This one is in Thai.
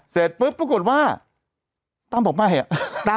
เสร็จปุ๊บปรากฏว่าตั้มบอกไม่อ่ะ